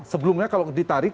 sebelumnya kalau ditarik